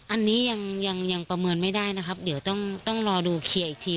อันนี้ยังยังประเมินไม่ได้นะครับเดี๋ยวต้องรอดูเคลียร์อีกที